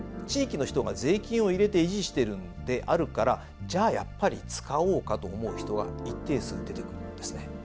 地域の人が税金を入れて維持してるんであるからじゃあやっぱり使おうかと思う人は一定数出てくるんですね。